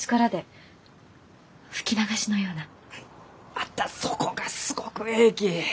またそこがすごくえいき！